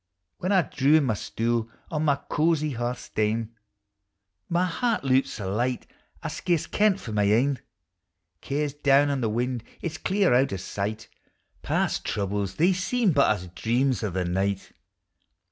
When I draw in my stool ou my cozy hearth stane, My heart loups sae light I scarce ken 't for my ain ; Care 's down on the wind, it is clean out o' sight, Past troubles they seem but as dreams o' the night.